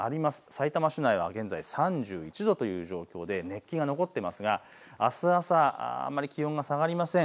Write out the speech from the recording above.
さいたま市内は現在３１度という状況で熱気が残っていますがあす朝あまり気温が下がりません。